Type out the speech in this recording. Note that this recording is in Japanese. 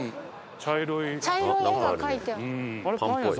茶色い。